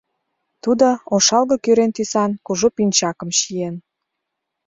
Тудо ошалге-кӱрен тӱсан кужу пинчакым чиен.